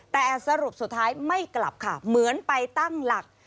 แต่สรุปสุดท้ายไม่กลับค่ะเหมือนไปตั้งหลัก